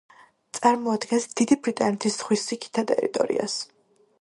წარმოადგენს დიდი ბრიტანეთის ზღვისიქითა ტერიტორიას.